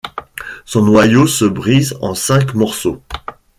Son noyau se brise en cinq morceaux.